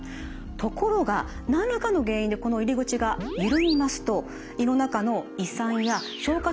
ところが何らかの原因でこの入り口が緩みますと胃の中の胃酸や消化